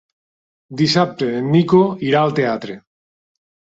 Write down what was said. Dissabte en Nico irà al teatre.